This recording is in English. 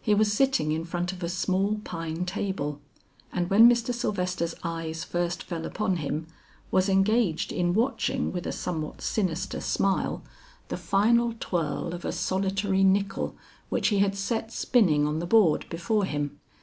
He was sitting in front of a small pine table, and when Mr. Sylvester's eyes first fell upon him, was engaged in watching with a somewhat sinister smile, the final twirl of a solitary nickle which he had set spinning on the board before him.